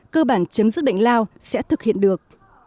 cơ bản chấm dứt bệnh lao sẽ thực hiện được